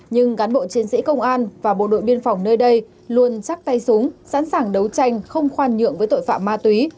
nhưng cán bộ chiến sĩ công an và bộ đội biên phòng nơi đây luôn chắc tay súng sẵn sàng đấu tranh không khoan nhượng với tội phạm ma túy